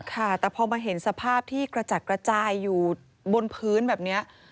ค่ะแต่พอมาเห็นสภาพที่กระจัดกระจายอยู่บนพื้นแบบนี้